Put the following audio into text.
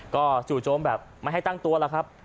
ก็จู่โจมแบบไม่ให้ตั้งตัวแล้วครับ